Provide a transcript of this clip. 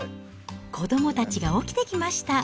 子どもたちが起きてきました。